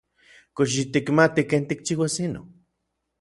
¿Kox yitikmati ken tikchiuas inon?